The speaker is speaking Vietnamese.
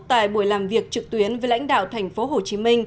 tại buổi làm việc trực tuyến với lãnh đạo tp hcm